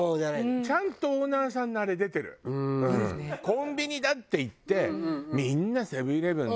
「コンビニだ」っていって「みんなセブン−イレブンだ」